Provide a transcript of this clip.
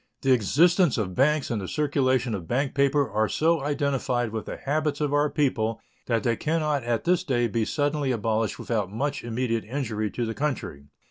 The existence of banks and the circulation of bank paper are so identified with the habits of our people that they can not at this day be suddenly abolished without much immediate injury to the country.